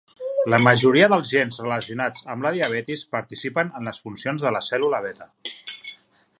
La majoria dels gens relacionats amb la diabetis participen en les funcions de la cèl·lula beta.